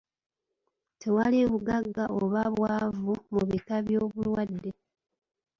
Tewali bugagga oba bwavu mu bika by'obulwadde.